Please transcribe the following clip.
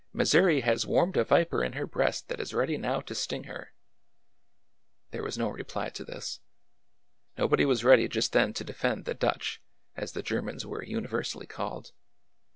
'' Missouri has warmed a viper in her breast that is ready now to sting her !" There was no reply to this. Nobody was ready just then to defend the " Dutch," as the Germans were uni versally called.